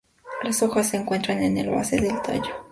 Las hojas, se encuentran en la base del tallo.